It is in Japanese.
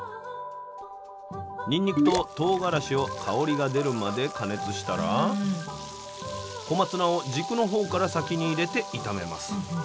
にんにくととうがらしを香りが出るまで加熱したら小松菜を軸のほうから先に入れて炒めます。